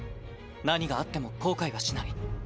何があっても後悔はしない。